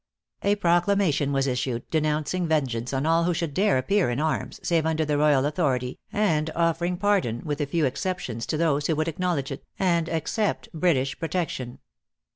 A proclamation was issued, denouncing vengeance on all who should dare appear in arms, save under the royal authority, and offering pardon, with a few exceptions, to those who would acknowledge it, and accept British protection.